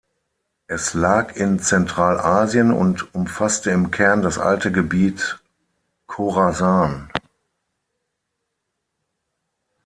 Es lag in Zentralasien und umfasste im Kern das alte Gebiet Chorasan.